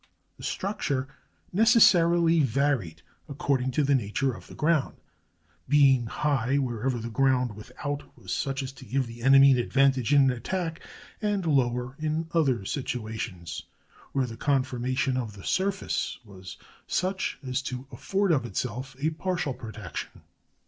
The structure necessarily varied according to the nature of the ground, being high wherever the ground without was such as to give the enemy an advantage in an attack, and lower in other situations, where the conformation of the surface was such as to afford, of itself, a partial protection.